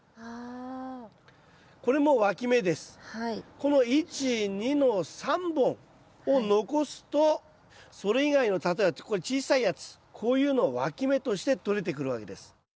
この１２の３本を残すとそれ以外の例えばこれ小さいやつこういうのをわき芽として取れてくるわけです。